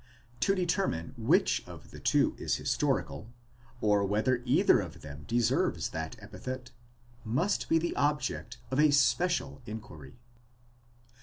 To determine which of the two is historical, or whether either of them deserves that epithet, must be the object of a special inquiry.